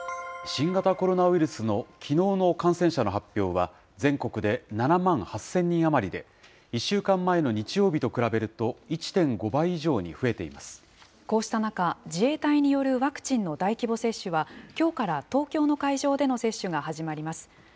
新型コロナウイルスのきのうの感染者の発表は、全国で７万８０００人余りで、１週間前の日曜日と比べると、１．こうした中、自衛隊によるワクチンの大規模接種は、きょうから東京の会場での接種が始まります。